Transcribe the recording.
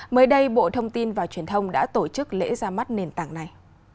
mới đây bộ thông tin và truyền thông đã tổ chức lễ ra mắt nền tảng này